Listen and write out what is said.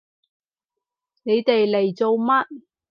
你哋嚟做乜？